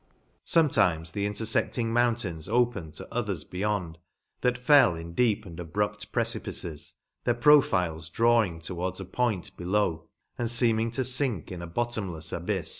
Sometimes the interfering mountains opened to others 'beyond, that fell in deep and abrupt precipices, their pro files drawing towards a point below and feeming to fink in a bottomlefs abyfs.